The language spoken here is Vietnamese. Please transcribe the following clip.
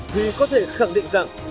thì có thể khẳng định rằng